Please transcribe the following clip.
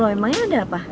loh emangnya ada apa